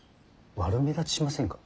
悪目立ちしませんか。